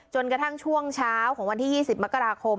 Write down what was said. จนกระทั่งช่วงเช้าของวันที่๒๐มกราคม